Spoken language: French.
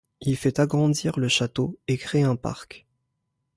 Il fait agrandir le château et crée un parc.